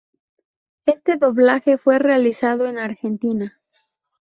Este doblaje fue realizado en Argentina.